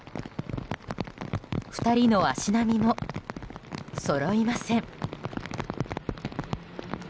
２人の足並みもそろいません。